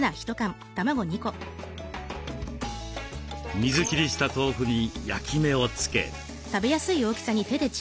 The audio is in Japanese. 水切りした豆腐に焼き目をつけ。